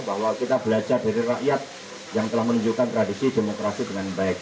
bahwa kita belajar dari rakyat yang telah menunjukkan tradisi demokrasi dengan baik